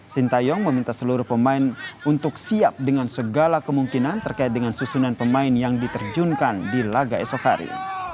sintayong meminta seluruh pemain untuk siap dengan segala kemungkinan terkait dengan susunan pemain yang diterjunkan di laga esok hari